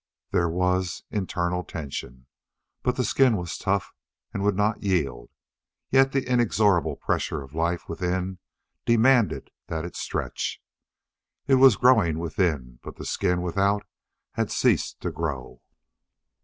There was internal tension. But the skin was tough and would not yield, yet the inexorable pressure of life within demanded that it stretch. It was growing within, but the skin without had ceased to grow.